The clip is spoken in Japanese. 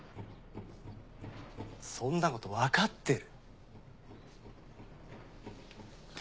そんなことわかってる。